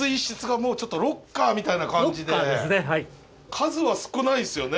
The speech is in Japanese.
数は少ないですよね。